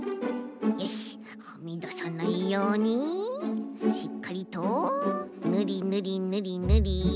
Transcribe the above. はみださないようにしっかりとぬりぬりぬりぬり。